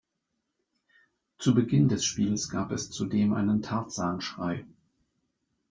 Zu Beginn des Spiels gab es zudem einen Tarzan-Schrei.